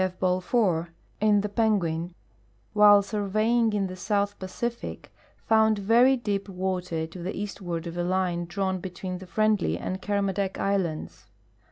F. Balfour, in the Penguin, while surveying in the South Pacific, found very deep water to the eastward of a line drawn between the Friendly and Kermadec islands.